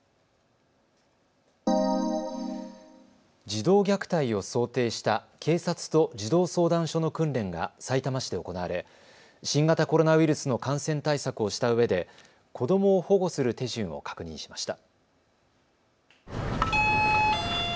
児童虐待を想定した警察と児童相談所の訓練がさいたま市で行われ新型コロナウイルスの感染対策をしたうえで子どもを保護する手順を確認しました。